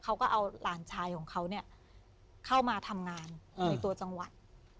เขาก็เอาหลานชายของเขาเนี่ยเข้ามาทำงานในตัวจังหวัด